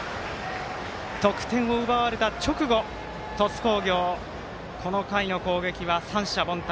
得点を奪われた直後鳥栖工業この回の攻撃は三者凡退。